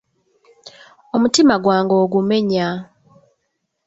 Omutima gwange ogumenya!